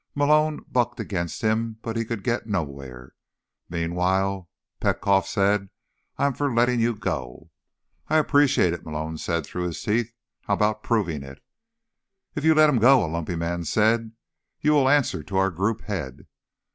Malone bucked against him, but could get nowhere. "Meanwhile," Petkoff said, "I am for letting you go." "I appreciate it," Malone said through his teeth. "How about proving it?" "If you let him go," a lumpy man said, "you will answer to our group head."